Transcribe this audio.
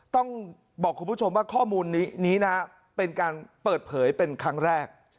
ต้องบอกคุณผู้ชมว่าข้อมูลนี้นะเป็นการเปิดเผยเป็นครั้งแรก